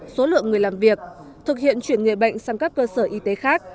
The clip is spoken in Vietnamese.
số lượng người làm việc thực hiện chuyển người bệnh sang các cơ sở y tế khác